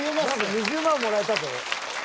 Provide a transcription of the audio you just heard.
２０万もらえたぞ。